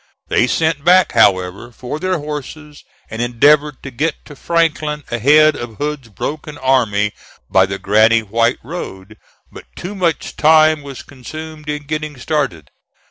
They sent back, however, for their horses, and endeavored to get to Franklin ahead of Hood's broken army by the Granny White Road, but too much time was consumed in getting started.